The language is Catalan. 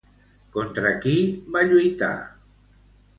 Contra qui va lluitar?